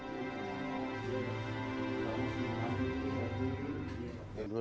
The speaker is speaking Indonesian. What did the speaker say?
adi mencoba menggambarkan musolah